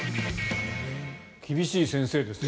厳しい先生ですね。